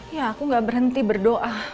ya aku gak berhenti berdoa